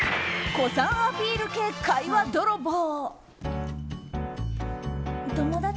古参アピール系会話泥棒。